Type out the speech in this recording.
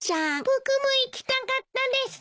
僕も行きたかったです。